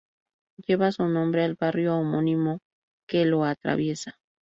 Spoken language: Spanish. Lleva su nombre al barrio homónimo que lo atraviesa.